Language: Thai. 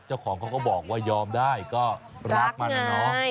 เจ้าของเขาก็บอกว่ายอมได้ก็รักมันนะเนาะ